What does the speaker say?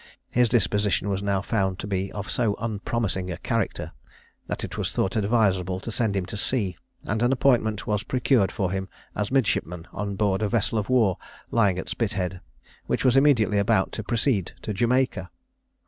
His disposition was now found to be of so unpromising a character, that it was thought advisable to send him to sea, and an appointment was procured for him as midshipman on board a vessel of war lying at Spithead, which was immediately about to proceed to Jamaica.